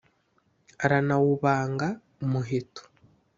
aranawubanga umuheto